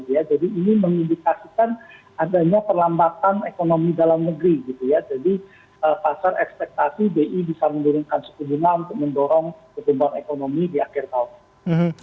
jadi pasar ekspektasi bi bisa menurunkan suku bunga untuk mendorong kekembangan ekonomi di akhir tahun